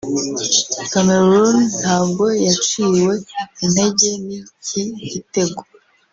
Cameroon ntabwo yaciwe intege n’iki gitego